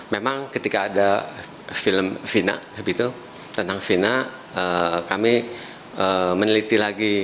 memang ketika ada film vina tentang vina kami meneliti lagi